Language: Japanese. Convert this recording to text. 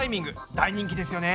大人気ですよね。